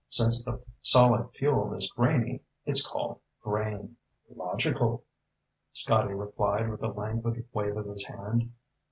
Since the solid fuel is grainy, it's called grain." "Logical," Scotty replied with a languid wave of his hand.